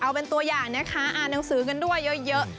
เอาเป็นตัวอย่างนะคะอ่านหนังสือกันด้วยเยอะ